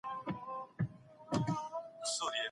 املا د کلمو په سمه تلفظ کي مرسته کوي.